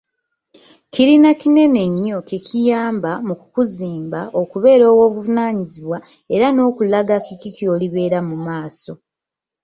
Kirina kinene nnyo kye kiyamba mu kukuzimba okubeera ow'obuvunaanyizibwa era n'okukulaga kiki ky'olibeera mu maaso.